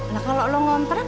nah kalau lu ngontrak